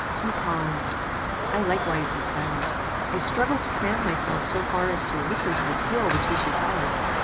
He paused. I likewise was silent. I struggled to command myself so far as to listen to the tale which he should tell.